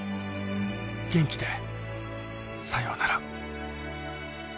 元気で、さようなら。